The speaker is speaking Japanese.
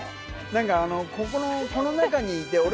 何かここのこの中にいて俺